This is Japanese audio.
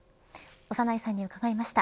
長内さんに伺いました。